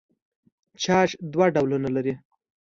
چارج دوه ډولونه لري.